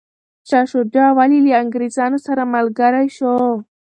شاه شجاع ولي له انګریزانو سره ملګری شو؟